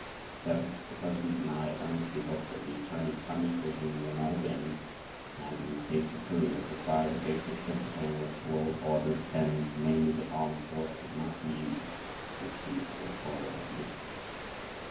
7. The President and I earnestly hope that the Chinese Communist regime will not again, as in the case of Korea, defy the basic principle upon which world order depends, namely, that armed force should not be used to achieve territorial ambitions.